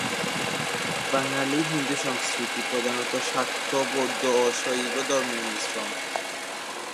বাঙালি হিন্দু সংস্কৃতি প্রধানত শাক্ত, বৌদ্ধ ও শৈব ধর্মের মিশ্রণ।